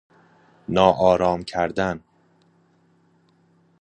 ناآرام کردن